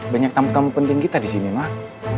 banyak tamu tamu penting kita disini mak